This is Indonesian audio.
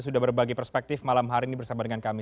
sudah berbagi perspektif malam hari ini bersama dengan kami